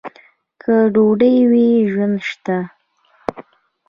که ډوډۍ وي، ژوند شته.